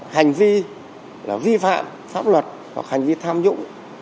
hành vi là vi phạm pháp luật hoặc hành vi tham nhũng